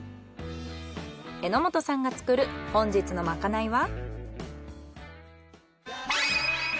榎本さんが作る本日のまかないは？